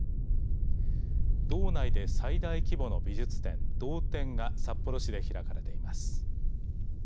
道内で最大規模の美術展道展が札幌市で開かれています。